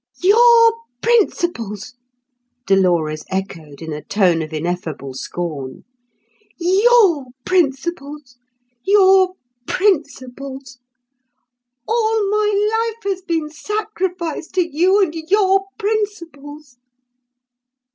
"Your principles!" Dolores echoed in a tone of ineffable, scorn. "Your principles! Your principles! All my life has been sacrificed to you and your principles!"